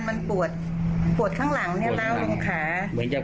ไม่ใช่เหมือนนะครับ